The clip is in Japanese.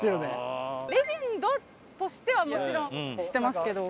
レジェンドとしてはもちろん知ってますけど。